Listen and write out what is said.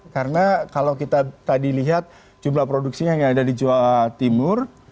karena kalau kita tadi lihat jumlah produksinya yang ada di jawa timur